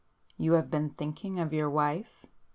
"You have been thinking of your wife?"